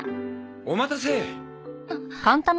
お待たせ！